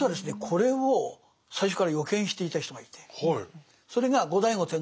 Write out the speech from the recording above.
これを最初から予見していた人がいて。